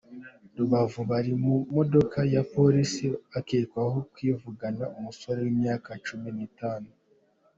Rubavu Bari mu maboko ya Polisi bakekwaho kwivugana umusore w’imyaka cumi nitanu